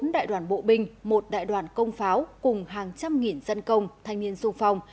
bốn đại đoàn bộ binh một đại đoàn công pháo cùng hàng trăm nghìn dân công thanh niên sung phong